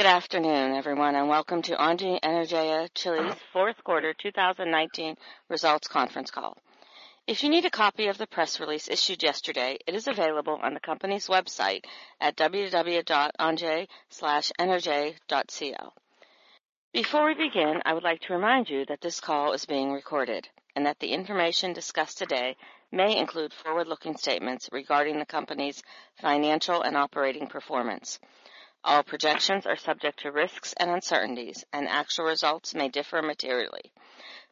Good afternoon, everyone, and welcome to Engie Energia Chile's fourth quarter 2019 results conference call. If you need a copy of the press release issued yesterday, it is available on the company's website at www.engie-energia.cl. Before we begin, I would like to remind you that this call is being recorded and that the information discussed today may include forward-looking statements regarding the company's financial and operating performance. All projections are subject to risks and uncertainties, and actual results may differ materially.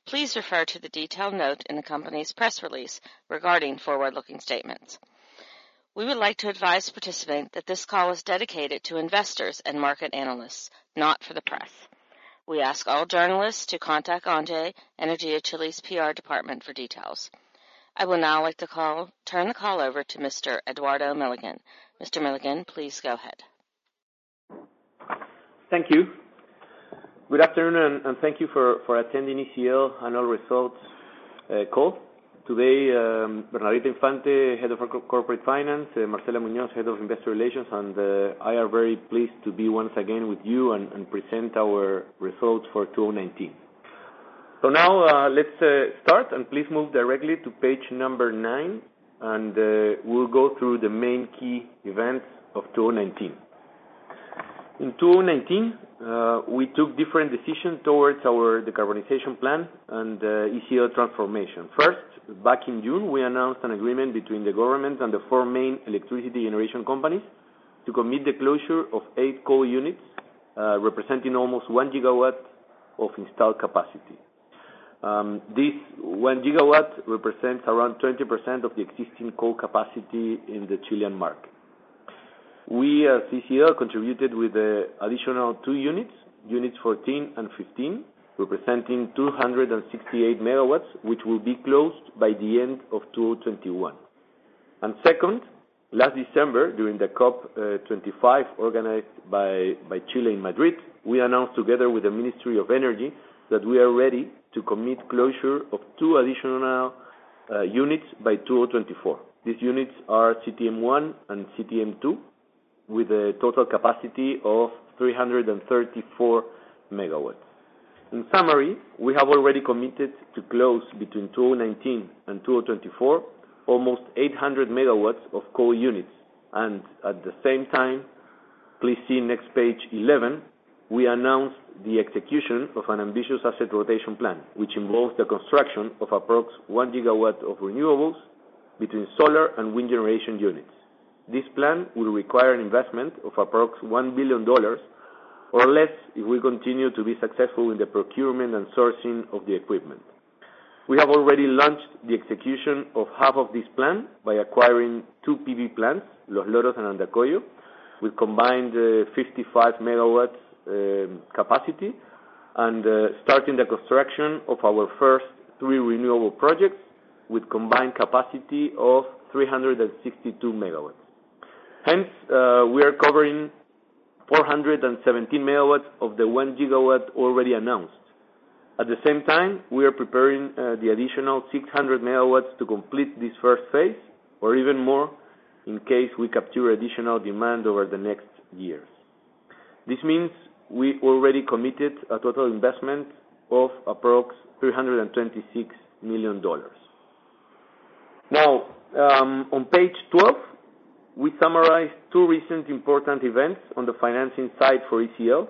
Please refer to the detailed note in the company's press release regarding forward-looking statements. We would like to advise participants that this call is dedicated to investors and market analysts, not for the press. We ask all journalists to contact Engie Energia Chile's PR department for details. I will now like to turn the call over to Mr. Eduardo Milligan. Mr. Milligan, please go ahead. Thank you. Good afternoon, and thank you for attending ECL annual results call. Today, Bernardita Infante, head of corporate finance, Marcela Muñoz, head of investor relations, and I are very pleased to be once again with you and present our results for 2019. Now, let's start, and please move directly to page number nine, and we'll go through the main key events of 2019. In 2019, we took different decisions towards our decarbonization plan and ECL transformation. First, back in June, we announced an agreement between the government and the four main electricity generation companies to commit the closure of eight coal units, representing almost 1 GW of installed capacity. This 1 GW represents around 20% of the existing coal capacity in the Chilean market. We, as ECL, contributed with additional two units 14 and 15, representing 268 MW, which will be closed by the end of 2021. Second, last December, during the COP25 organized by Chile in Madrid, we announced together with the Ministry of Energy that we are ready to commit closure of two additional units by 2024. These units are CTM1 and CTM2, with a total capacity of 334 MW. In summary, we have already committed to close between 2019 and 2024 almost 800 MW of coal units. At the same time, please see next page 11, we announced the execution of an ambitious asset rotation plan, which involves the construction of approx 1 GW of renewables between solar and wind generation units. This plan will require an investment of approx $1 billion or less if we continue to be successful in the procurement and sourcing of the equipment. We have already launched the execution of half of this plan by acquiring two PV plants, Los Loros and Andacollo, with combined 55 MW capacity, and starting the construction of our first three renewable projects with combined capacity of 362 MW. We are covering 417 MW of the 1 GW already announced. At the same time, we are preparing the additional 600 MW to complete this first phase, or even more in case we capture additional demand over the next years. This means we already committed a total investment of approx $326 million. On page 12, we summarize two recent important events on the financing side for ECL.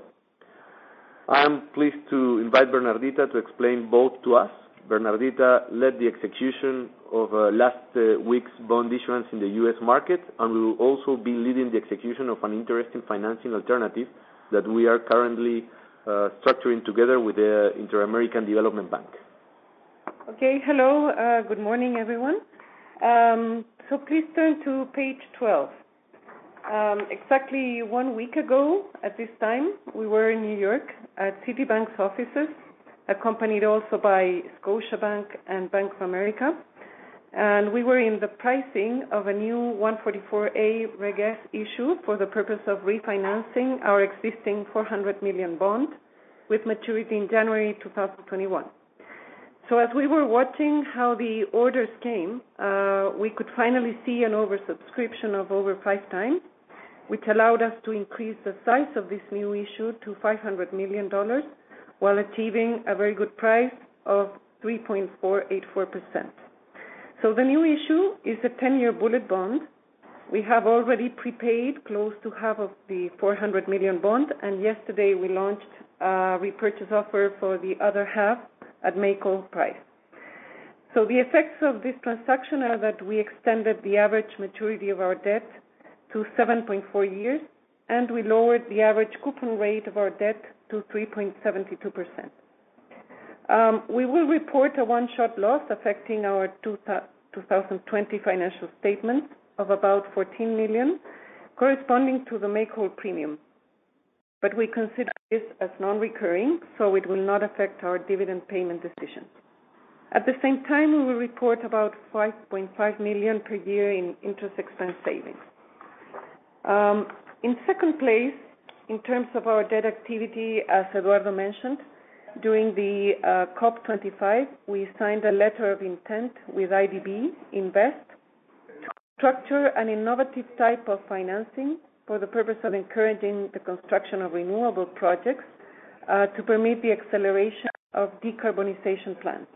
I am pleased to invite Bernardita to explain both to us. Bernardita led the execution of last week's bond issuance in the U.S. market and will also be leading the execution of an interesting financing alternative that we are currently structuring together with the Inter-American Development Bank. Okay. Hello. Good morning, everyone. Please turn to page 12. Exactly one week ago at this time, we were in New York at Citibank's offices, accompanied also by Scotiabank and Bank of America. And we were in the pricing of a new 144-A Reg S issue for the purpose of refinancing our existing $400 million bond with maturity in January 2021. As we were watching how the orders came, we could finally see an oversubscription of over five times which allowed us to increase the size of this new issue to $500 million while achieving a very good price of 3.484%. The new issue is a 10-year bullet bond. We have already prepaid close to half of the $400 million bond and yesterday we launched a repurchase offer for the other half at make-whole price. The effects of this transaction are that we extended the average maturity of our debt to 7.4 years, and we lowered the average coupon rate of our debt to 3.72%. We will report a one-shot loss affecting our 2020 financial statements of about $14 million, corresponding to the make-whole premium. We consider this as non-recurring so it will not affect our dividend payment decision. At the same time, we will report about $5.5 million per year in interest expense savings. In second place, in terms of our debt activity, as Eduardo mentioned during the COP25, we signed a letter of intent with IDB Invest structure an innovative type of financing for the purpose of encouraging the construction of renewable projects to permit the acceleration of decarbonization plans.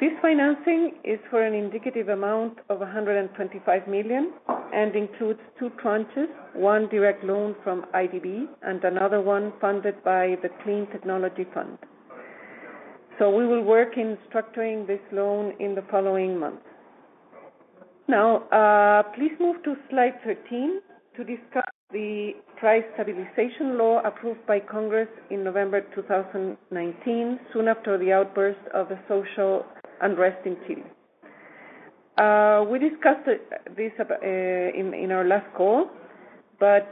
This financing is for an indicative amount of $125 million and includes two tranches, one direct loan from IDB and another one funded by the Clean Technology Fund. We will work in structuring this loan in the following months. Now, please move to slide 13 to discuss the price stabilization law approved by Congress in November 2019, soon after the outburst of the social unrest in Chile. We discussed this in our last call but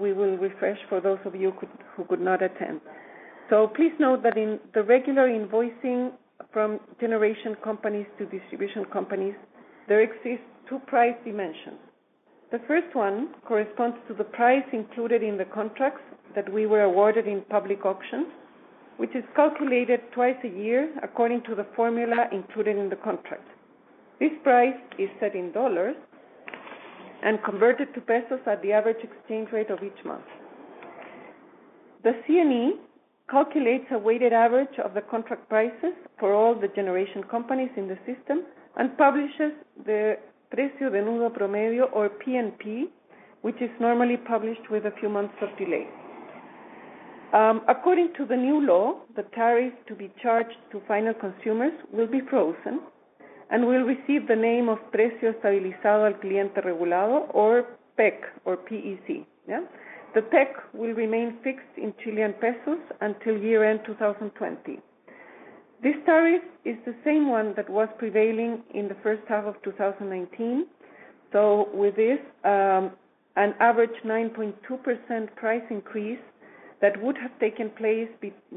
we will refresh for those of you who could not attend. Please note that in the regular invoicing from generation companies to distribution companies, there exist two price dimensions. The first one corresponds to the price included in the contracts that we were awarded in public auctions which is calculated twice a year according to the formula included in the contract. This price is set in dollars and converted to pesos at the average exchange rate of each month. The CNE calculates a weighted average of the contract prices for all the generation companies in the system and publishes the Precio de Nudo Promedio, or PNP, which is normally published with a few months of delay. According to the new law, the tariffs to be charged to final consumers will be frozen, and will receive the name of Precio Estabilizado al Cliente Regulado, or PEC, P-E-C. The PEC will remain fixed in Chilean pesos until year-end 2020. This tariff is the same one that was prevailing in the first half of 2019. With this, an average 9.2% price increase that would have taken place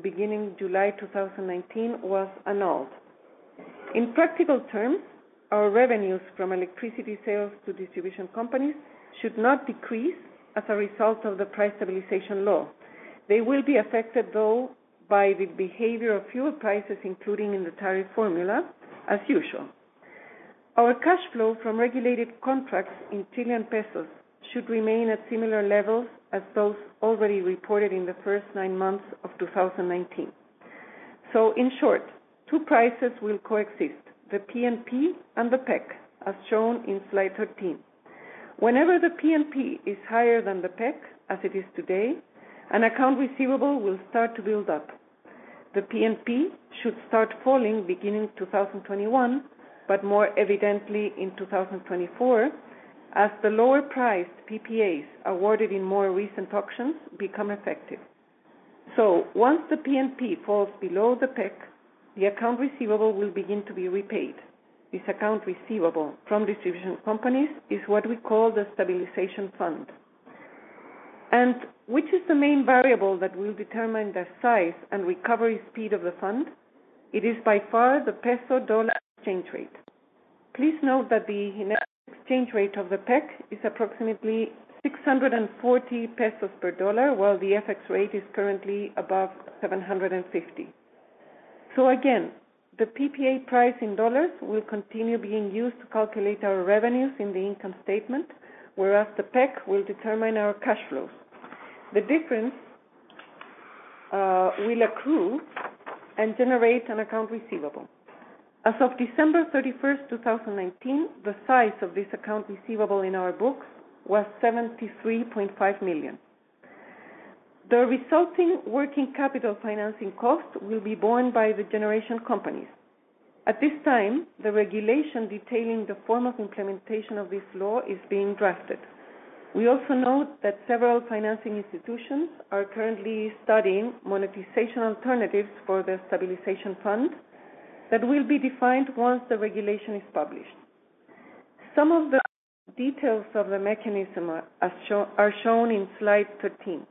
beginning July 2019 was annulled. In practical terms, our revenues from electricity sales to distribution companies should not decrease as a result of the price stabilization law. They will be affected, though, by the behavior of fuel prices, including in the tariff formula, as usual. Our cash flow from regulated contracts in Chilean pesos should remain at similar levels as those already reported in the first nine months of 2019. In short, two prices will coexist, the PNP and the PEC, as shown in slide 13. Whenever the PNP is higher than the PEC, as it is today, an account receivable will start to build up. The PNP should start falling beginning 2021 but more evidently in 2024, as the lower priced PPAs awarded in more recent auctions become effective. Once the PNP falls below the PEC, the account receivable will begin to be repaid. This account receivable from distribution companies is what we call the stabilization fund. Which is the main variable that will determine the size and recovery speed of the fund? It is by far the peso-dollar exchange rate. Please note that the net exchange rate of the PEC is approximately 640 pesos per dollar, while the FX rate is currently above 750. Again, the PPA price in dollars will continue being used to calculate our revenues in the income statement, whereas the PEC will determine our cash flows. The difference will accrue and generate an account receivable. As of December 31st 2019, the size of this account receivable in our books was $73.5 million. The resulting working capital financing cost will be borne by the generation companies. At this time, the regulation detailing the form of implementation of this law is being drafted. We also note that several financing institutions are currently studying monetization alternatives for the stabilization fund that will be defined once the regulation is published. Some of the details of the mechanism are shown in slide 13.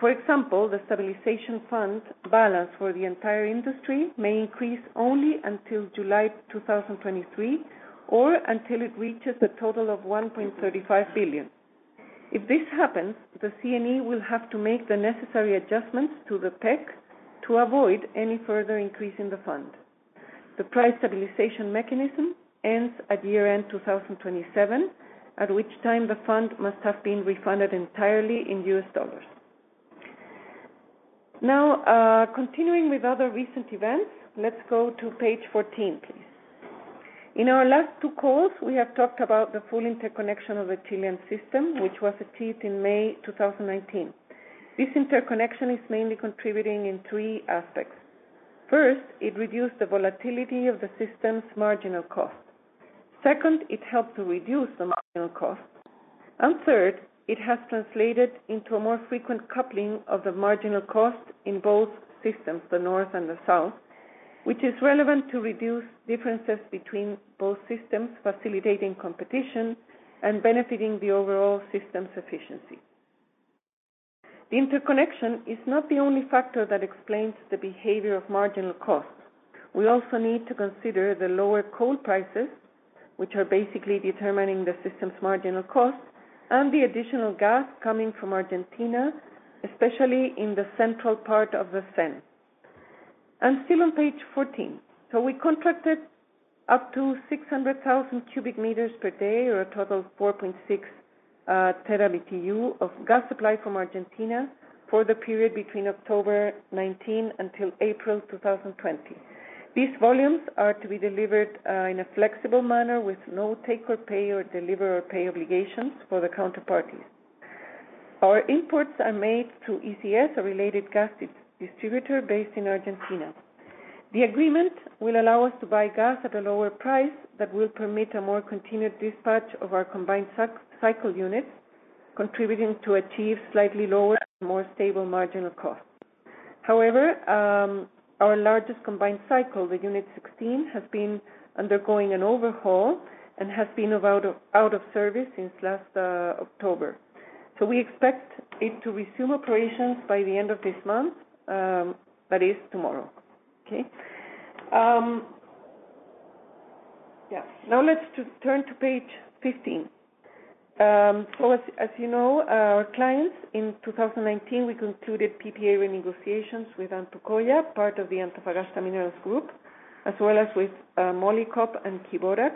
For example, the stabilization fund balance for the entire industry may increase only until July 2023, or until it reaches a total of $1.35 billion. If this happens, the CNE will have to make the necessary adjustments to the PEC to avoid any further increase in the fund. The price stabilization mechanism ends at year-end 2027, at which time the fund must have been refunded entirely in US dollars. Now, continuing with other recent events, let's go to page 14, please. In our last two calls, we have talked about the full interconnection of the Chilean system, which was achieved in May 2019. This interconnection is mainly contributing in three aspects. First, it reduced the volatility of the system's marginal cost. Second, it helped to reduce the marginal cost. Third, it has translated into a more frequent coupling of the marginal cost in both systems, the north and the south, which is relevant to reduce differences between both systems, facilitating competition and benefiting the overall system's efficiency. The interconnection is not the only factor that explains the behavior of marginal costs. We also need to consider the lower coal prices which are basically determining the system's marginal cost, and the additional gas coming from Argentina, especially in the central part of the SEN. Still on page 14. We contracted up to 600,000 cubic meters per day, or a total of 4.6 TBtu of gas supply from Argentina for the period between October 2019 until April 2020. These volumes are to be delivered in a flexible manner with no take or pay, or deliver or pay obligations for the counterparties. Our imports are made through ECS, a related gas distributor based in Argentina. The agreement will allow us to buy gas at a lower price that will permit a more continued dispatch of our combined cycle units, contributing to achieve slightly lower and more stable marginal costs. However, our largest combined cycle with unit 16, has been undergoing an overhaul and has been out of service since last October. We expect it to resume operations by the end of this month. That is tomorrow. Okay? Yeah. Let's turn to page 15. As you know, our clients in 2019, we concluded PPA renegotiations with Antucoya, part of the Antofagasta Minerals Group, as well as with Molycop and Quiborax,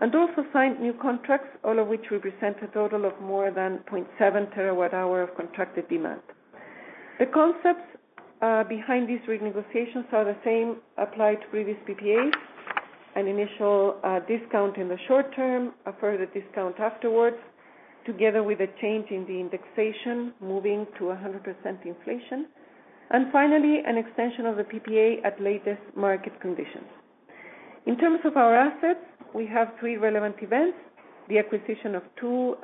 and also signed new contracts, all of which represent a total of more than 0.7 terawatt hour of contracted demand. The concepts behind these renegotiations are the same applied to previous PPAs, an initial discount in the short term, a further discount afterwards, together with a change in the indexation, moving to 100% inflation. Finally, an extension of the PPA at latest market conditions. In terms of our assets, we have three relevant events: the acquisition of two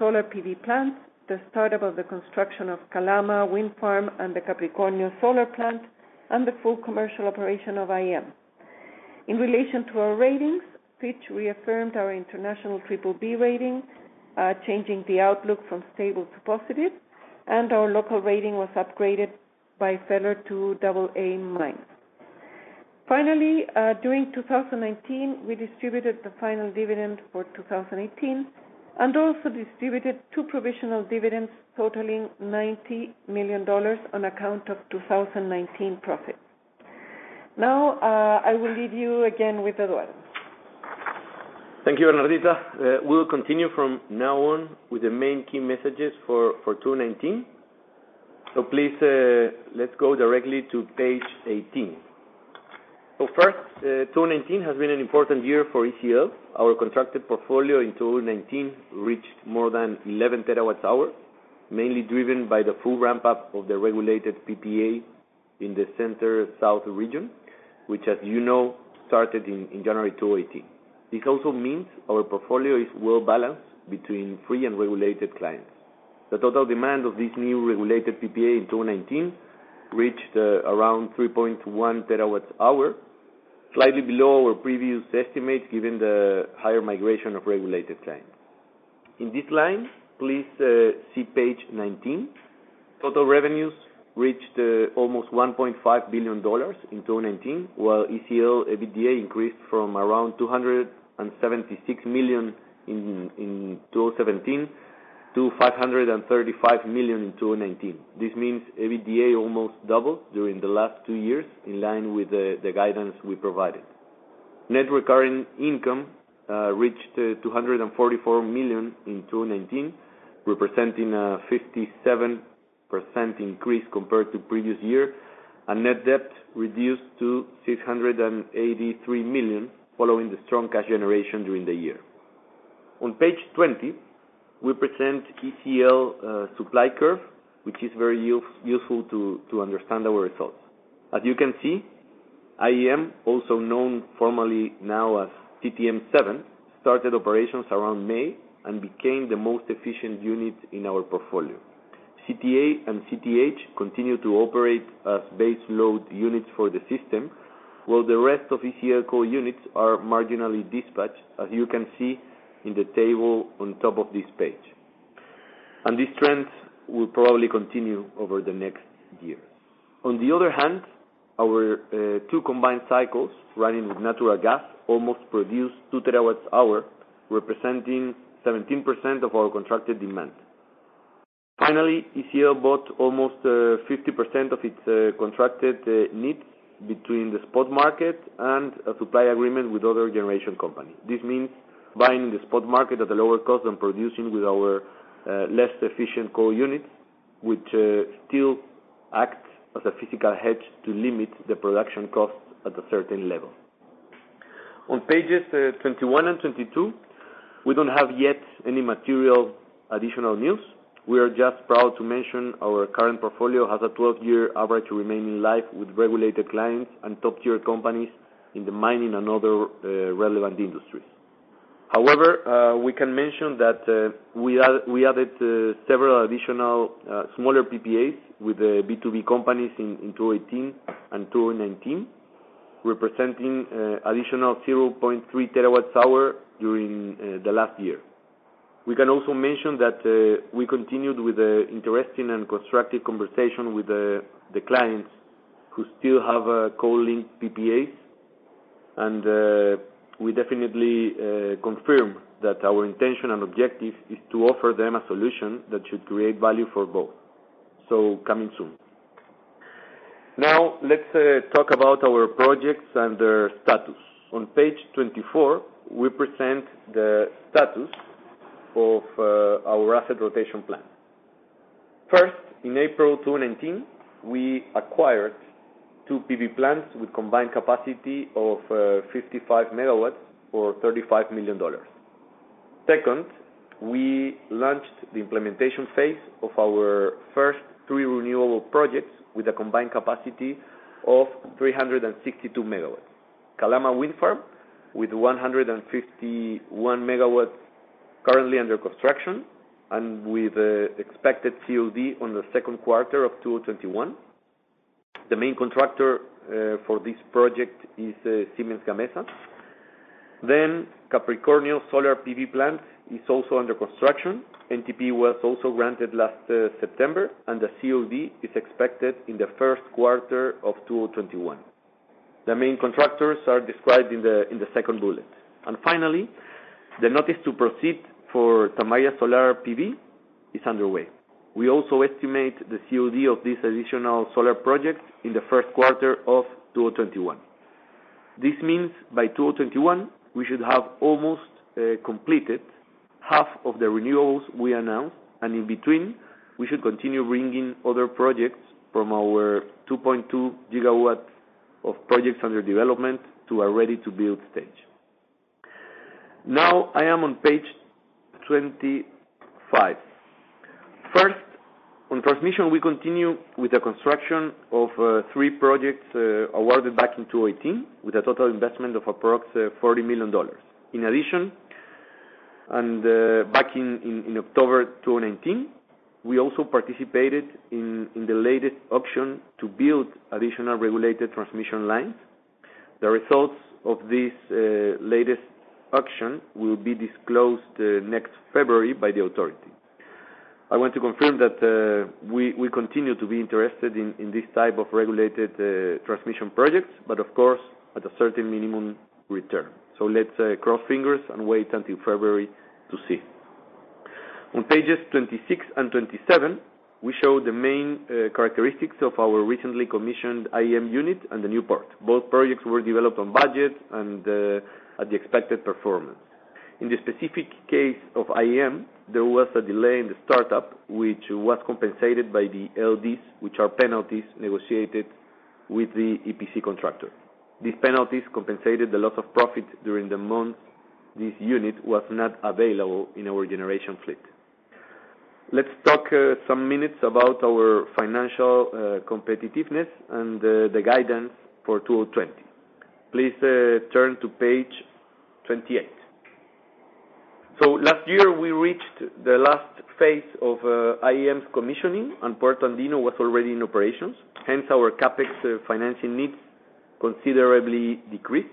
solar PV plants, the startup of the construction of Calama Wind Farm and the Capricornio Solar Plant, and the full commercial operation of IEM. In relation to our ratings, Fitch reaffirmed our international BBB rating, changing the outlook from stable to positive, and our local rating was upgraded by FHR to AA-. Finally, during 2019, we distributed the final dividend for 2018 and also distributed two provisional dividends totaling $90 million on account of 2019 profits. Now, I will leave you again with Eduardo. Thank you, Bernardita. We will continue from now on with the main key messages for 2019. Please, let's go directly to page 18. First, 2019 has been an important year for ECL. Our contracted portfolio in 2019 reached more than 11 TWh, mainly driven by the full ramp-up of the regulated PPA in the center south region, which, as you know, started in January 2018. This also means our portfolio is well-balanced between free and regulated clients. The total demand of this new regulated PPA in 2019 reached around 3.1 TWh, slightly below our previous estimate, given the higher migration of regulated clients. In this line, please see page 19. Total revenues reached almost $1.5 billion in 2019, while ECL EBITDA increased from around $276 million in 2017 to $535 million in 2019. This means EBITDA almost doubled during the last two years, in line with the guidance we provided. Net recurring income reached $244 million in 2019, representing a 57% increase compared to previous year, and net debt reduced to $683 million, following the strong cash generation during the year. On page 20, we present ECL supply curve which is very useful to understand our results. As you can see, IEM, also known formally now as CTM 7, started operations around May and became the most efficient unit in our portfolio. CTA and CTH continue to operate as base load units for the system, while the rest of ECL core units are marginally dispatched, as you can see in the table on top of this page. This trend will probably continue over the next year. On the other hand, our two combined cycles running with natural gas almost produced 2 TWh, representing 17% of our contracted demand. Finally, ECL bought almost 50% of its contracted needs between the spot market and a supply agreement with other generation companies. This means buying the spot market at a lower cost and producing with our less efficient core units, which still act as a physical hedge to limit the production cost at a certain level. On pages 21 and 22, we don't have yet any material additional news. We are just proud to mention our current portfolio has a 12-year average remaining life with regulated clients and top-tier companies in the mining and other relevant industries. We can mention that we added several additional smaller PPAs with B2B companies in 2018 and 2019, representing additional 0.3 TWh during the last year. We can also mention that we continued with interesting and constructive conversation with the clients who still have coal-linked PPAs. We definitely confirm that our intention and objective is to offer them a solution that should create value for both. Coming soon. Let's talk about our projects and their status. On page 24, we present the status of our asset rotation plan. First, in April 2019, we acquired two PV plants with a combined capacity of 55 MW for $35 million. Second, we launched the implementation phase of our first three renewable projects with a combined capacity of 362 MW. Calama Wind Farm, with 151 MW currently under construction, and with expected COD on the second quarter of 2021. The main contractor for this project is Siemens Gamesa. Capricornio Solar PV Plant is also under construction. NTP was also granted last September. The COD is expected in the first quarter of 2021. The main contractors are described in the second bullet. Finally, the notice to proceed for Tamaya Solar PV is underway. We also estimate the COD of this additional solar project in the first quarter of 2021. This means by 2021, we should have almost completed half of the renewables we announced. In between, we should continue bringing other projects from our 2.2 GW of projects under development to a ready-to-build stage. Now, I am on page 25. First, on transmission, we continue with the construction of three projects awarded back in 2018, with a total investment of approx $40 million. In addition, back in October 2019, we also participated in the latest auction to build additional regulated transmission lines. The results of this latest auction will be disclosed next February by the authority. I want to confirm that we continue to be interested in this type of regulated transmission projects but of course, at a certain minimum return. Let's cross fingers and wait until February to see. On pages 26 and 27, we show the main characteristics of our recently commissioned IEM unit and the new part. Both projects were developed on budget and at the expected performance. In the specific case of IEM, there was a delay in the startup, which was compensated by the LDs, which are penalties negotiated with the EPC contractor. These penalties compensated the loss of profit during the month this unit was not available in our generation fleet. Let's talk some minutes about our financial competitiveness and the guidance for 2020. Please turn to page 28. Last year, we reached the last phase of IEM's commissioning, and Puerto Andino was already in operations. Hence, our CapEx financing needs considerably decreased,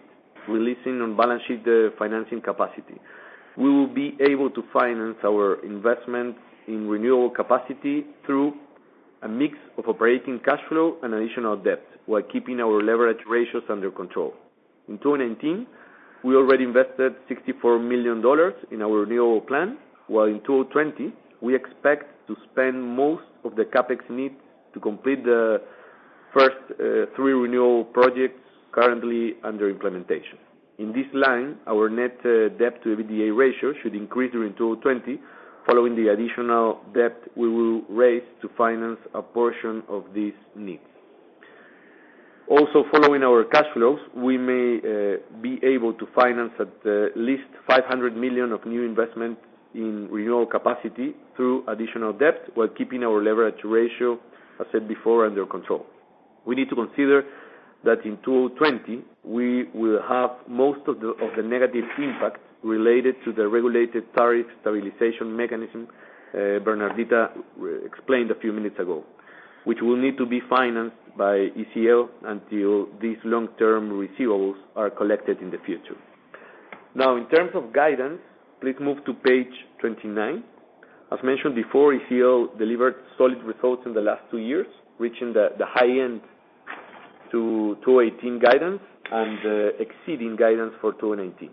releasing on-balance sheet financing capacity. We will be able to finance our investments in renewable capacity through a mix of operating cash flow and additional debt while keeping our leverage ratios under control. In 2019, we already invested $64 million in our renewable plan, while in 2020, we expect to spend most of the CapEx need to complete the first three renewable projects currently under implementation. In this line, our net debt to EBITDA ratio should increase during 2020, following the additional debt we will raise to finance a portion of these needs. Also, following our cash flows, we may be able to finance at least $500 million of new investment in renewable capacity through additional debt while keeping our leverage ratio, as said before, under control. We need to consider that in 2020, we will have most of the negative impact related to the regulated tariff stabilization mechanism Bernardita explained a few minutes ago, which will need to be financed by ECL until these long-term receivables are collected in the future. In terms of guidance, please move to page 29. As mentioned before, ECL delivered solid results in the last two years, reaching the high end to 2018 guidance and exceeding guidance for 2019.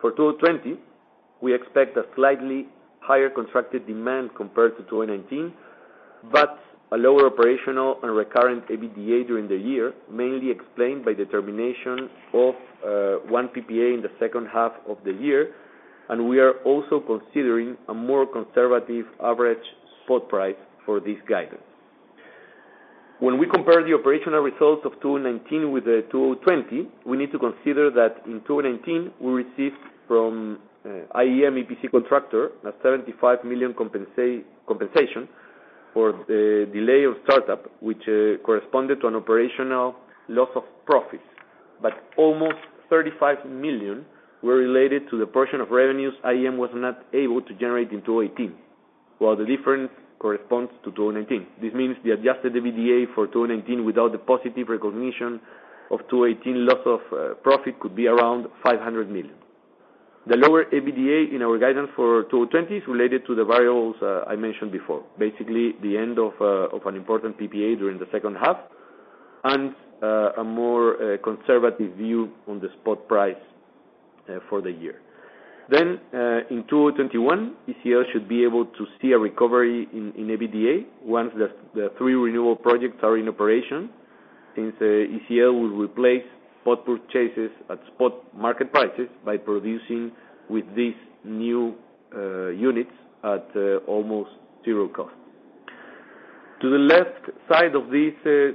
For 2020, we expect a slightly higher constructed demand compared to 2019 but a lower operational and recurrent EBITDA during the year, mainly explained by the termination of one PPA in the second half of the year. We are also considering a more conservative average spot price for this guidance. When we compare the operational results of 2019 with the 2020, we need to consider that in 2019, we received from IEM EPC contractor a $75 million compensation for the delay of startup which corresponded to an operational loss of profits. Almost $35 million were related to the portion of revenues IEM was not able to generate in 2018, while the difference corresponds to 2019. This means the adjusted EBITDA for 2019 without the positive recognition of 2018 loss of profit could be around $500 million. The lower EBITDA in our guidance for 2020 is related to the variables I mentioned before. Basically, the end of an important PPA during the second half and a more conservative view on the spot price for the year. In 2021, ECL should be able to see a recovery in EBITDA once the three renewal projects are in operation, since ECL will replace spot purchases at spot market prices by producing with these new units at almost zero cost. To the left side of this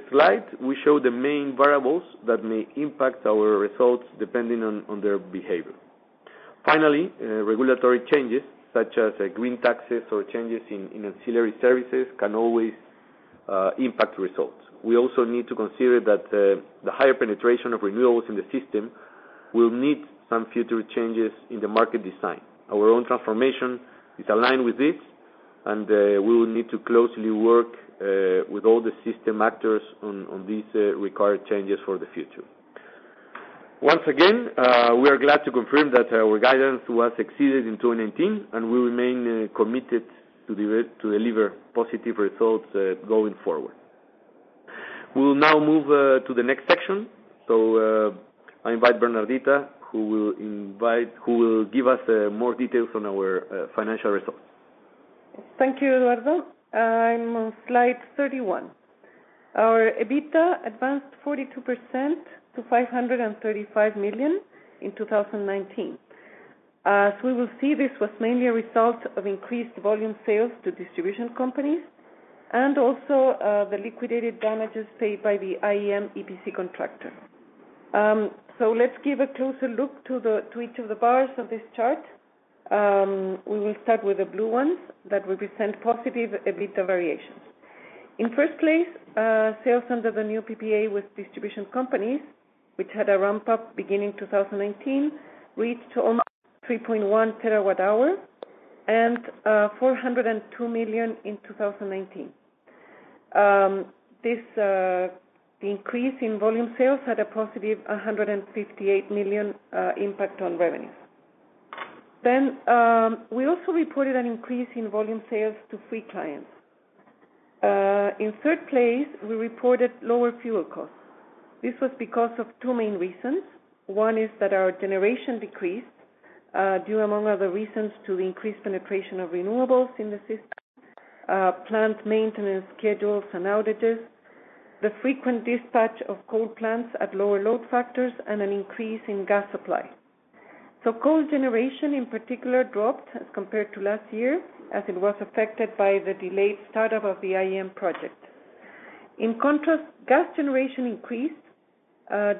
slide, we show the main variables that may impact our results depending on their behavior. Finally, regulatory changes such as green taxes or changes in ancillary services can always impact results. We also need to consider that the higher penetration of renewables in the system will need some future changes in the market design. Our own transformation is aligned with this, and we will need to closely work with all the system actors on these required changes for the future. Once again, we are glad to confirm that our guidance was exceeded in 2019, and we remain committed to deliver positive results going forward. We will now move to the next section. I invite Bernardita, who will give us more details on our financial results. Thank you, Eduardo. I'm on slide 31. Our EBITDA advanced 42% to $535 million in 2019. As we will see, this was mainly a result of increased volume sales to distribution companies, and also the liquidated damages paid by the IEM EPC contractor. Let's give a closer look to each of the bars of this chart. We will start with the blue ones that represent positive EBITDA variations. In first place, sales under the new PPA with distribution companies, which had a ramp-up beginning 2019, reached almost 3.1 TWh and $402 million in 2019. The increase in volume sales had a positive $158 million impact on revenues. We also reported an increase in volume sales to free clients. In third place, we reported lower fuel costs. This was because of two main reasons. One is that our generation decreased, due among other reasons, to the increased penetration of renewables in the system, plant maintenance schedules and outages, the frequent dispatch of coal plants at lower load factors, and an increase in gas supply. Coal generation in particular dropped as compared to last year, as it was affected by the delayed start-up of the IEM project. In contrast, gas generation increased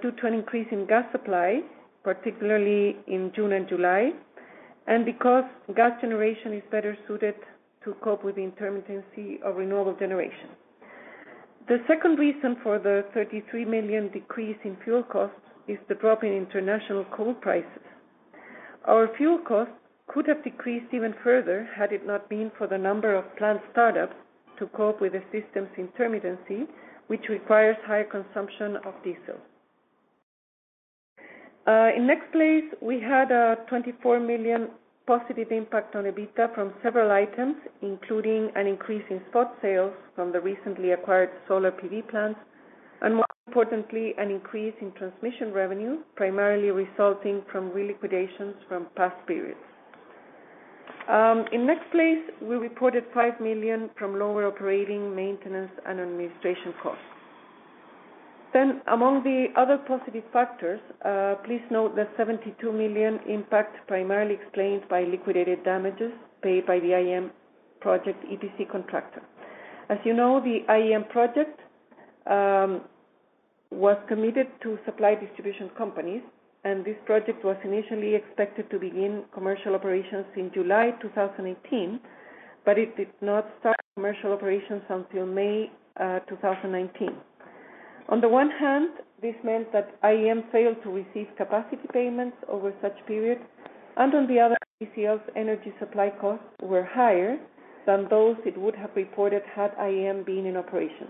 due to an increase in gas supply, particularly in June and July, and because gas generation is better suited to cope with the intermittency of renewable generation. The second reason for the $33 million decrease in fuel costs is the drop in international coal prices. Our fuel costs could have decreased even further had it not been for the number of plant start-ups to cope with the system's intermittency, which requires higher consumption of diesel. Next place, we had a $24 million positive impact on EBITDA from several items, including an increase in spot sales from the recently acquired solar PV plants, more importantly, an increase in transmission revenue, primarily resulting from re-liquidations from past periods. Next place, we reported $5 million from lower operating maintenance and administration costs. Among the other positive factors, please note the $72 million impact primarily explained by liquidated damages paid by the IEM project EPC contractor. As you know, the IEM project was committed to supply distribution companies, this project was initially expected to begin commercial operations in July 2018, it did not start commercial operations until May 2019. On the one hand, this meant that IEM failed to receive capacity payments over such period, and on the other, ECL's energy supply costs were higher than those it would have reported had IEM been in operation.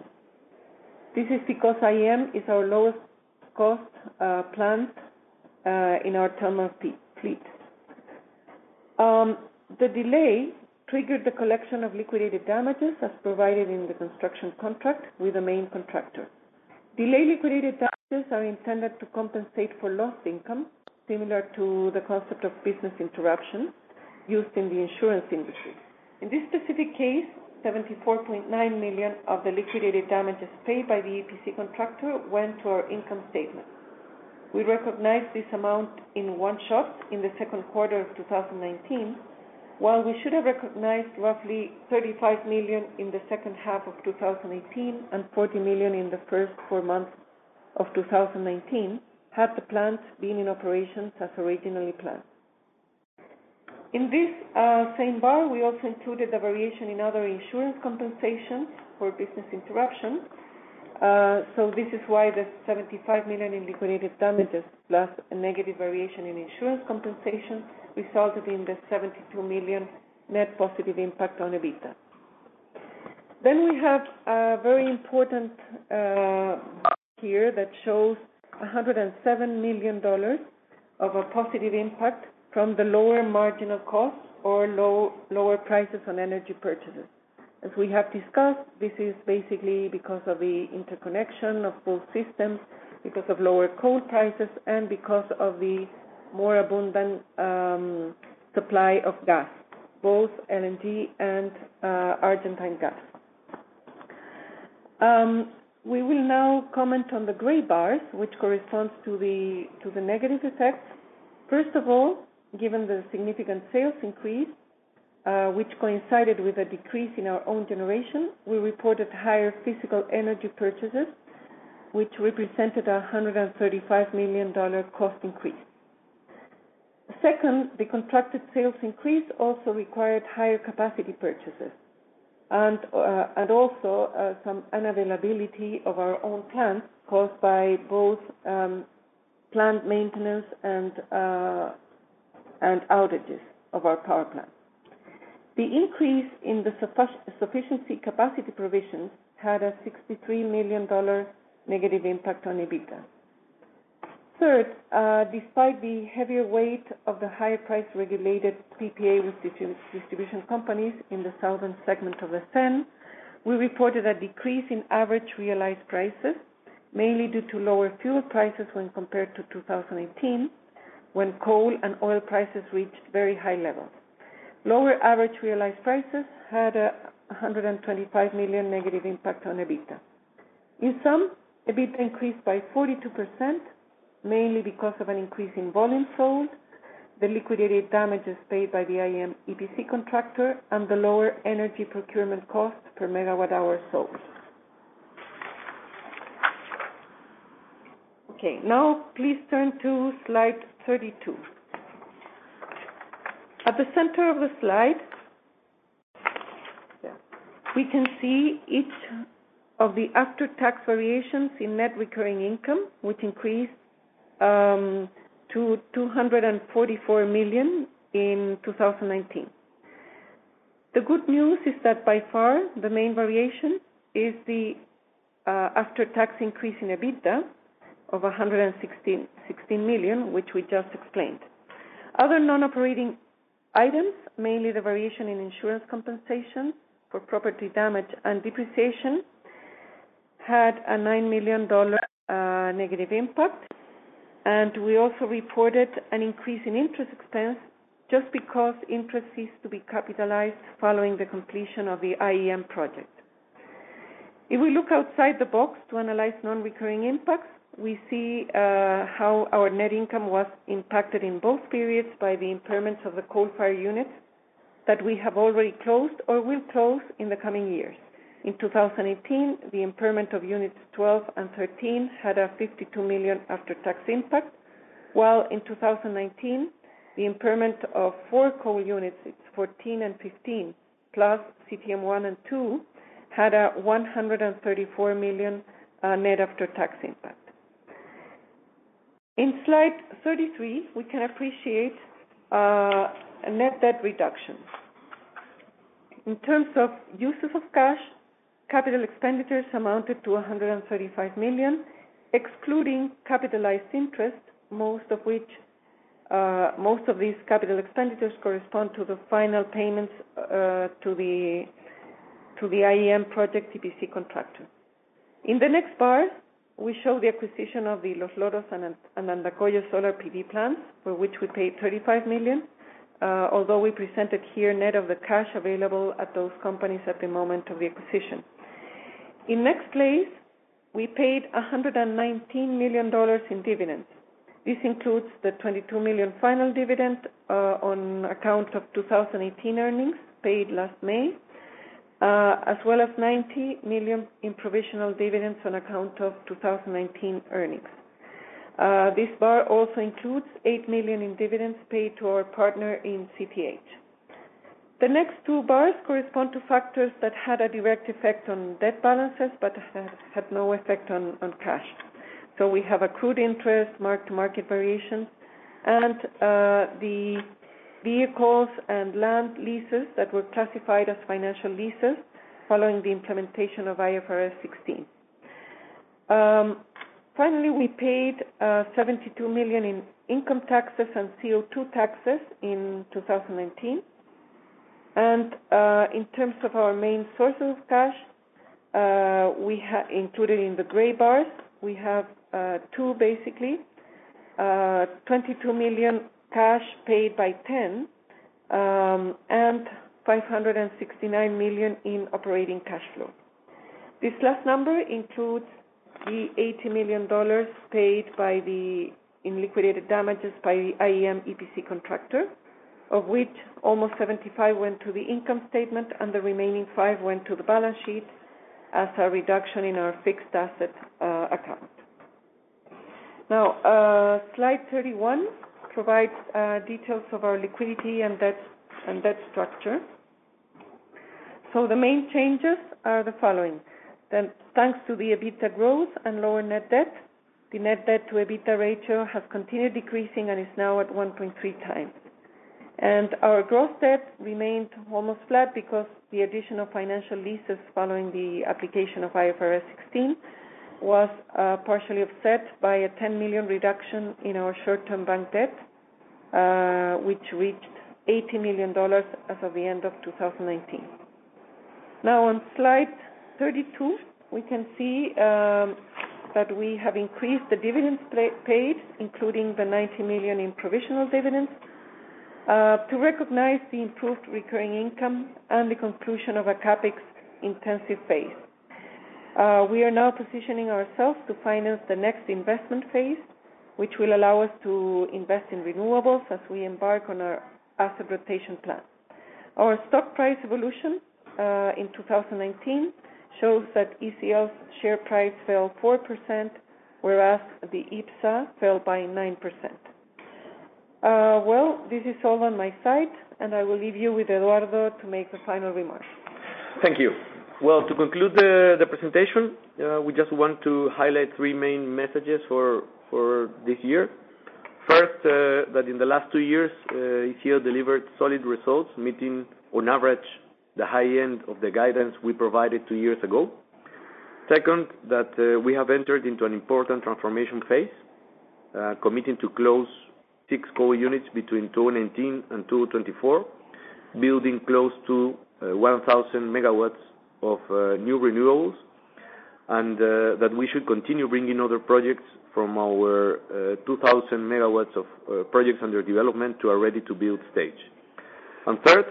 This is because IEM is our lowest cost plant in our thermal fleet. The delay triggered the collection of liquidated damages as provided in the construction contract with the main contractor. Delay liquidated damages are intended to compensate for lost income, similar to the concept of business interruption used in the insurance industry. In this specific case, $74.9 million of the liquidated damages paid by the EPC contractor went to our income statement. We recognized this amount in one shot in the second quarter of 2019 while we should have recognized roughly $35 million in the second half of 2018 and $14 million in the first four months of 2019, had the plant been in operation as originally planned. In this same bar, we also included the variation in other insurance compensation for business interruption. This is why the $75 million in liquidated damages, plus a negative variation in insurance compensation, resulted in the $72 million net positive impact on EBITDA. We have a very important bar here that shows $107 million of a positive impact from the lower marginal costs or lower prices on energy purchases. As we have discussed, this is basically because of the interconnection of both systems because of lower coal prices, and because of the more abundant supply of gas, both LNG and Argentine gas. We will now comment on the gray bars, which correspond to the negative effects. First of all, given the significant sales increase which coincided with a decrease in our own generation, we reported higher physical energy purchases which represented a $135 million cost increase. Second, the contracted sales increase also required higher capacity purchases and also some unavailability of our own plants caused by both plant maintenance and outages of our power plant. The increase in the sufficiency capacity provisions had a $63 million negative impact on EBITDA. Third, despite the heavier weight of the higher price-regulated PPA with distribution companies in the southern segment of SEN, we reported a decrease in average realized prices, mainly due to lower fuel prices when compared to 2018, when coal and oil prices reached very high levels. Lower average realized prices had a $125 million negative impact on EBITDA. In sum, EBITDA increased by 42%, mainly because of an increase in volume sold, the liquidated damages paid by the IEM EPC contractor, and the lower energy procurement cost per megawatt hour sold. Okay. Now please turn to slide 32. At the center of the slide, we can see each of the after-tax variations in net recurring income, which increased to $244 million in 2019. The good news is that by far the main variation is the after-tax increase in EBITDA of $116 million, which we just explained. Other non-operating items, mainly the variation in insurance compensation for property damage and depreciation, had a $9 million negative impact. We also reported an increase in interest expense just because interest ceased to be capitalized following the completion of the IEM project. If we look outside the box to analyze non-recurring impacts, we see how our net income was impacted in both periods by the impairments of the coal-fired units that we have already closed or will close in the coming years. In 2018, the impairment of units 12 and 13 had a $52 million after-tax impact, while in 2019, the impairment of four coal units, it's 14 and 15, plus CTM1 and CTM2, had a $134 million net after-tax impact. In slide 33, we can appreciate a net debt reduction. In terms of uses of cash, capital expenditures amounted to $135 million excluding capitalized interest, most of these capital expenditures correspond to the final payments to the IEM project EPC contractor. In the next bars, we show the acquisition of the Los Loros and Andacollo solar PV plants, for which we paid $35 million, although we presented here net of the cash available at those companies at the moment of the acquisition. In next place, we paid $119 million in dividends. This includes the $22 million final dividend on account of 2018 earnings paid last May, as well as $90 million in provisional dividends on account of 2019 earnings. This bar also includes $8 million in dividends paid to our partner in CTH. The next two bars correspond to factors that had a direct effect on debt balances but had no effect on cash. We have accrued interest, mark-to-market variations, and the vehicles and land leases that were classified as financial leases following the implementation of IFRS 16. Finally, we paid $72 million in income taxes and CO2 taxes in 2019. In terms of our main sources of cash, included in the gray bars, we have two, basically. $22 million cash paid by TEN and $569 million in operating cash flow. This last number includes the $80 million paid in liquidated damages by the IEM EPC contractor of which almost 75 went to the income statement, and the remaining five went to the balance sheet as a reduction in our fixed asset account. Slide 31 provides details of our liquidity and debt structure. The main changes are the following. Thanks to the EBITDA growth and lower net debt, the net debt to EBITDA ratio has continued decreasing and is now at 1.3 times. Our gross debt remained almost flat because the addition of financial leases following the application of IFRS 16 was partially offset by a $10 million reduction in our short-term bank debt, which reached $80 million as of the end of 2019. Now on slide 32, we can see that we have increased the dividends paid, including the $90 million in provisional dividends, to recognize the improved recurring income and the conclusion of a CapEx-intensive phase. We are now positioning ourselves to finance the next investment phase, which will allow us to invest in renewables as we embark on our asset rotation plan. Our stock price evolution in 2019, shows that ECL's share price fell 4%, whereas the IPSA fell by 9%. Well, this is all on my side and I will leave you with Eduardo to make the final remarks. Thank you. Well, to conclude the presentation, we just want to highlight three main messages for this year. First, that in the last two years, ECL delivered solid results, meeting on average, the high end of the guidance we provided two years ago. Second, that we have entered into an important transformation phase, committing to close six core units between 2019 and 2024, building close to 1,000 MW of new renewables, and that we should continue bringing other projects from our 2,000 MW of projects under development to our ready-to-build stage. Third,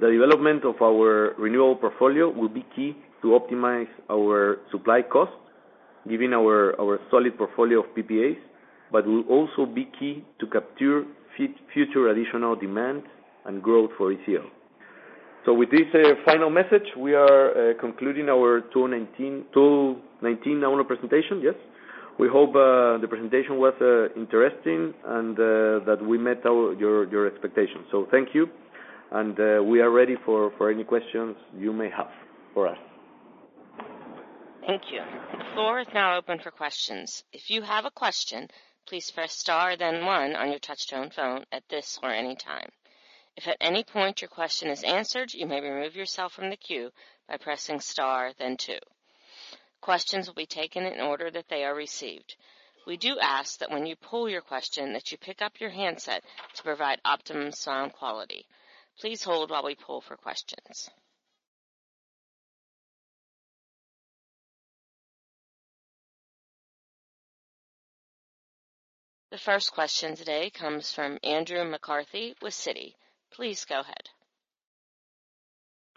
the development of our renewable portfolio will be key to optimize our supply costs, given our solid portfolio of PPAs but will also be key to capture future additional demands and growth for ECL. With this final message, we are concluding our 2019 annual presentation. Yes. We hope the presentation was interesting and that we met your expectations. Thank you, and we are ready for any questions you may have for us. Thank you. The floor is now open for questions. If you have a question, please press star then one on your touch-tone phone at this or any time. If at any point your question is answered, you may remove yourself from the queue by pressing star then two. Questions will be taken in the order that they are received. We do ask that when you pull your question, that you pick up your handset to provide optimum sound quality. Please hold while we pull for questions. The first question today comes from Andrew McCarthy with Citi. Please go ahead.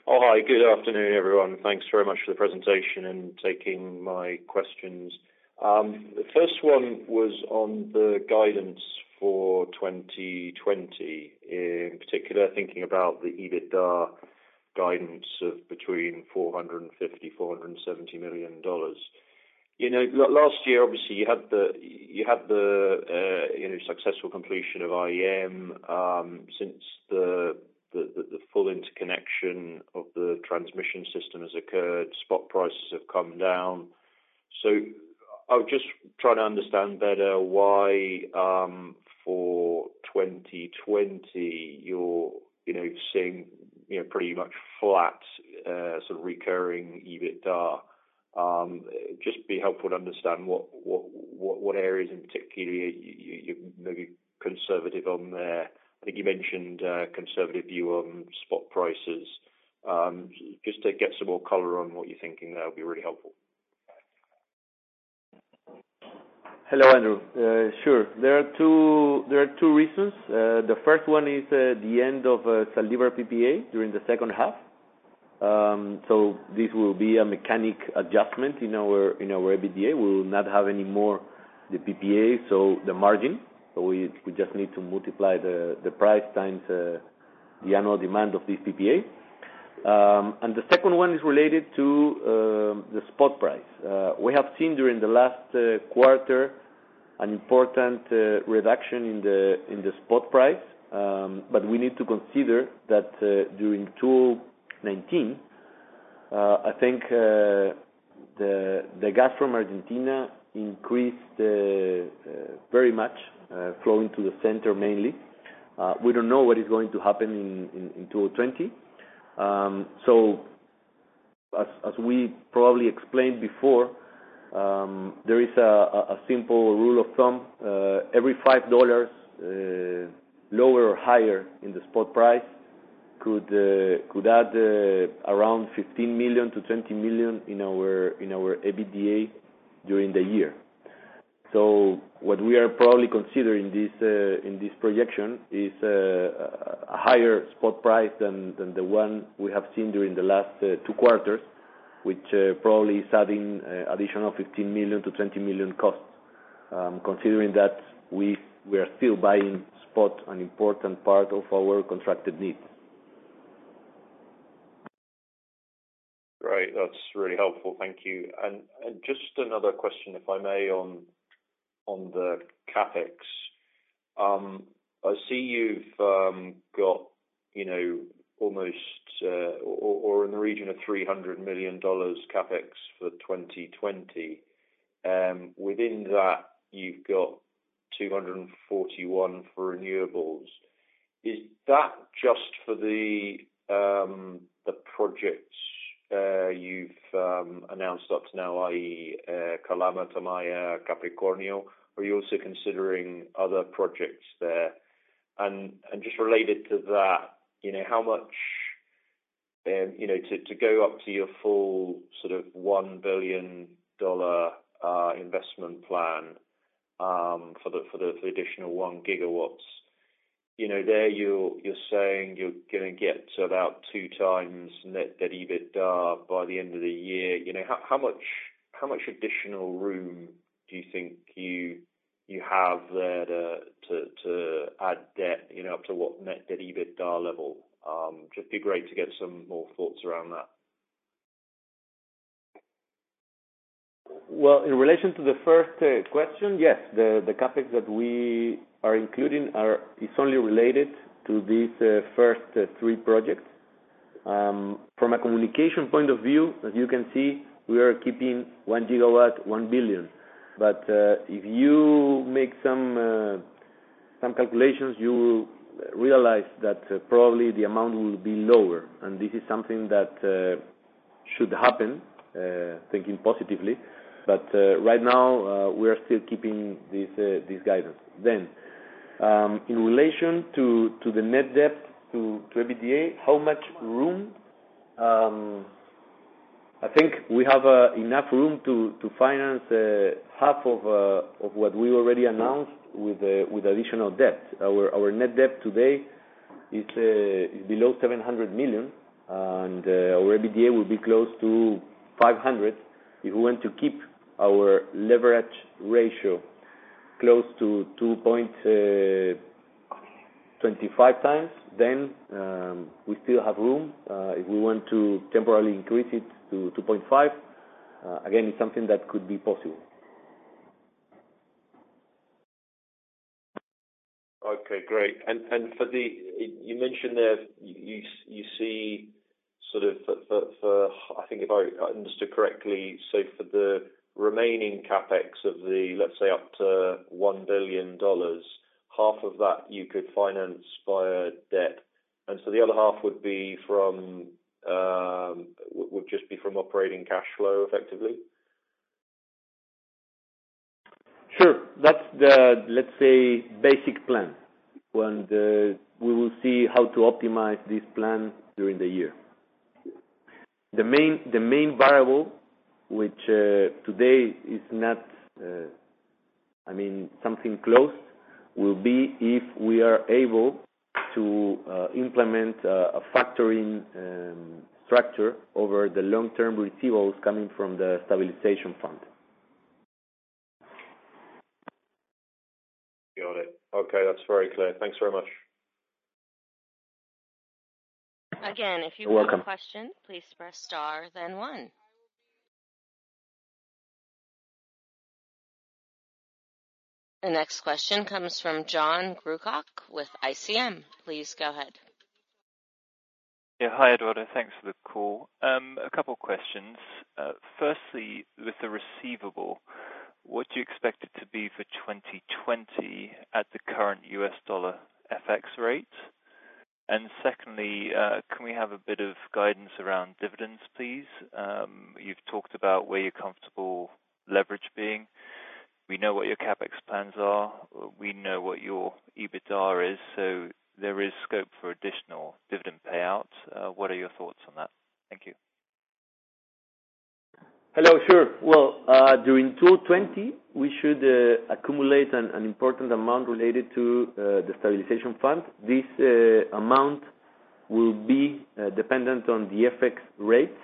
Oh, hi. Good afternoon, everyone. Thanks very much for the presentation and taking my questions. The first one was on the guidance for 2020. In particular, thinking about the EBITDA guidance of between $450 million-$470 million. Last year, obviously, you had the successful completion of IEM. Since the full interconnection of the transmission system has occurred, spot prices have come down. I was just trying to understand better why, for 2020, you're seeing pretty much flat recurring EBITDA. Just would be helpful to understand what areas in particular you may be conservative on there. I think you mentioned a conservative view on spot prices. Just to get some more color on what you're thinking there would be really helpful. Hello, Andrew. Sure, there are two reasons. The first one is the end of Zaldívar PPA during the second half. This will be a mechanic adjustment in our EBITDA. We will not have any more the PPA, so the margin. We just need to multiply the price times the annual demand of this PPA. The second one is related to the spot price. We have seen during the last quarter an important reduction in the spot price, we need to consider that during 2019, I think the gas from Argentina increased very much, flowing to the center mainly. We don't know what is going to happen in 2020. As we probably explained before, there is a simple rule of thumb. Every $5 lower or higher in the spot price could add around $15 million-$20 million in our EBITDA during the year. What we are probably considering in this projection is a higher spot price than the one we have seen during the last two quarters which probably is adding additional $15 million-$20 million costs. Considering that we are still buying spot an important part of our contracted needs. Great. That's really helpful. Thank you. Just another question, if I may, on the CapEx. I see you've got almost or in the region of $300 million CapEx for 2020. Within that, you've got $241 for renewables. Is that just for the projects you've announced up to now, i.e. Calama, Tamaya, Capricornio, or are you also considering other projects there? Just related to that, to go up to your full sort of $1 billion investment plan for the additional one GW, there you're saying you're going to get to about two times net debt EBITDA by the end of the year. How much additional room do you think you have there to add debt, up to what net debt EBITDA level? Just be great to get some more thoughts around that. Well, in relation to the first question, yes, the CapEx that we are including is only related to these first three projects. From a communication point of view, as you can see, we are keeping one GW, $1 billion. If you make some calculations, you will realize that probably the amount will be lower and this is something that should happen, thinking positively. Right now, we are still keeping this guidance. In relation to the net debt to EBITDA, how much room? I think we have enough room to finance half of what we already announced with additional debt. Our net debt today is below $700 million, and our EBITDA will be close to $500 million. If we want to keep our leverage ratio close to 2.25 times, we still have room. If we want to temporarily increase it to 2.5, again, it's something that could be possible. Okay, great. You mentioned there, I think if I understood correctly, for the remaining CapEx of the, let's say, up to $1 billion, half of that you could finance via debt. The other half would just be from operating cash flow effectively? Sure. That's the, let's say, basic plan. We will see how to optimize this plan during the year. The main variable, which today is something close, will be if we are able to implement a factoring structure over the long-term receivables coming from the stabilization fund. Got it. Okay. That's very clear. Thanks very much. Again, if you have a question, please press star then one. The next question comes from Jon Groocock with ICM. Please go ahead. Yeah. Hi, Eduardo. Thanks for the call. A couple questions. Firstly, with the receivable, what do you expect it to be for 2020 at the current U.S. dollar FX rate? Secondly, can we have a bit of guidance around dividends, please? You've talked about where your comfortable leverage being. We know what your CapEx plans are. We know what your EBITDA is, so there is scope for additional dividend payouts. What are your thoughts on that? Thank you. Hello. Sure. During 2020, we should accumulate an important amount related to the stabilization fund. This amount will be dependent on the FX rates.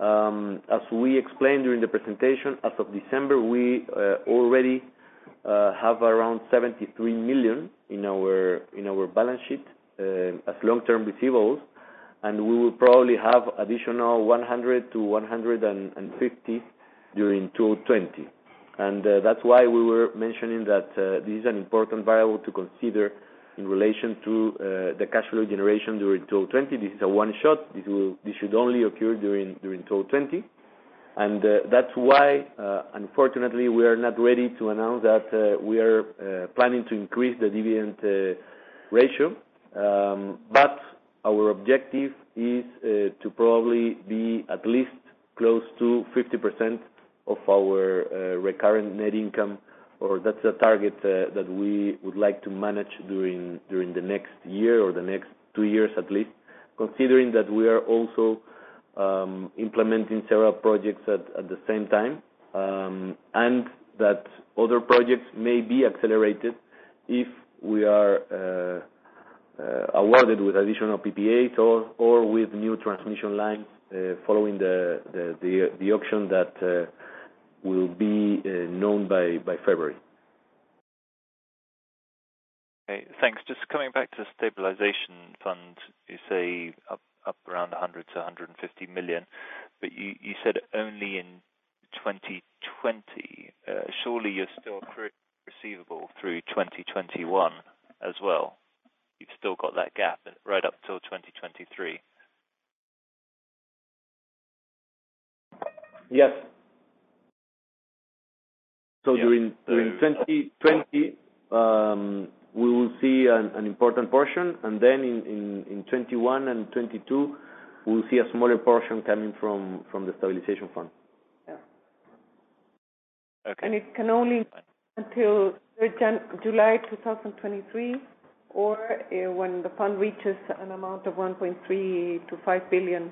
As we explained during the presentation, as of December, we already have around $73 million in our balance sheet as long-term receivables, and we will probably have additional $100 million-$150 million during 2020. That's why we were mentioning that this is an important variable to consider in relation to the cash flow generation during 2020. This is a one-shot. This should only occur during 2020. That's why, unfortunately, we are not ready to announce that we are planning to increase the dividend ratio. Our objective is to probably be at least close to 50% of our recurrent net income, or that's a target that we would like to manage during the next year or the next two years, at least. Considering that we are also implementing several projects at the same time and that other projects may be accelerated if we are awarded with additional PPAs or with new transmission lines following the auction that will be known by February. Okay, thanks. Just coming back to stabilization fund, you say up around $100 million-$150 million but you said only in 2020. Surely, you're still receivable through 2021 as well. You've still got that gap right up till 2023? Yes. During 2020, we will see an important portion and then in 2021 and 2022, we'll see a smaller portion coming from the stabilization fund. Yeah. Okay. It can only until July 2023 or when the fund reaches an amount of $1.3 billion-$5 billion.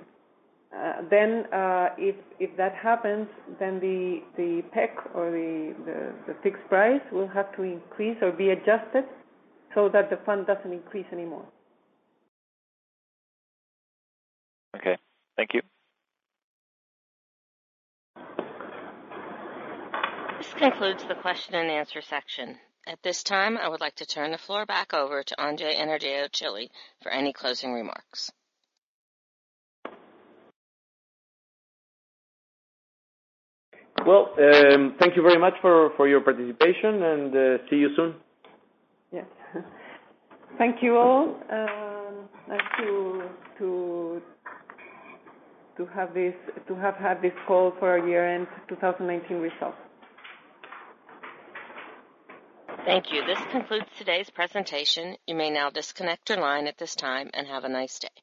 If that happens, then the PEC or the fixed price will have to increase or be adjusted so that the fund doesn't increase anymore. Okay. Thank you. This concludes the question and answer section. At this time, I would like to turn the floor back over to Engie Energia Chile for any closing remarks. Well, thank you very much for your participation, and see you soon. Yes. Thank you all. Nice to have had this call for our year-end 2019 results. Thank you. This concludes today's presentation. You may now disconnect your line at this time, and have a nice day.